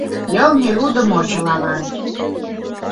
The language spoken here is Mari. «Йылме — лудымо чылалан...»